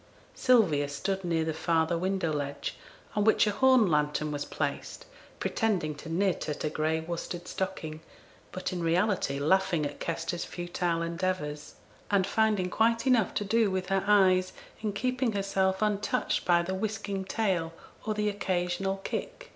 Sylvia stood near the farther window ledge, on which a horn lantern was placed, pretending to knit at a gray worsted stocking, but in reality laughing at Kester's futile endeavours, and finding quite enough to do with her eyes, in keeping herself untouched by the whisking tail, or the occasional kick.